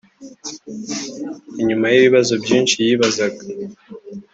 Inyuma y’ibibazo byinshi yibazaga